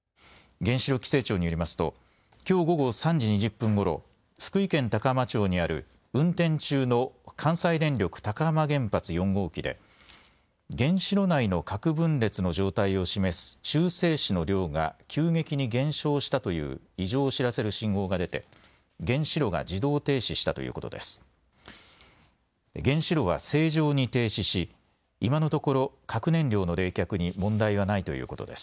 原子力規制庁によりますときょう午後３時２０分ごろ福井県高浜町にある運転中の関西電力高浜原発４号機で原子炉内の核分裂の状態を示す中性子の量が急激に減少したという異常を知らせる信号が出て原子炉が自動停止したということです。